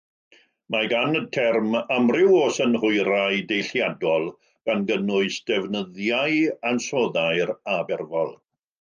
Mae gan y term amryw o synhwyrau deilliadol, gan gynnwys defnyddiau ansoddair a berfol.